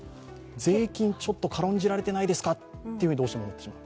税金、ちょっと軽んじられてないですかって、どうしても思ってしまう。